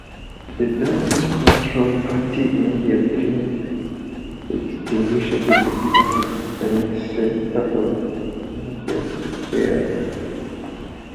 The damage control party immediately extinguished the blaze and set about emergency repairs.